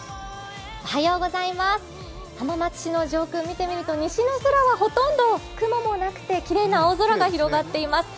浜松市の上空を見てみると、西の空はほとんど雲がなくて、きれいな青空が広がっています。